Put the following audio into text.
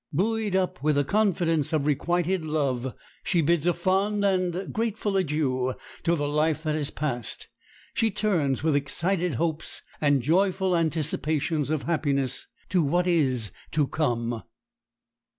Buoyed up with the confidence of requited love, she bids a fond and grateful adieu to the life that is passed, she turns with excited hopes and joyful anticipations of happiness to what is to come.